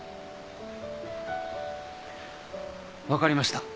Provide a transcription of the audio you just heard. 分かりました。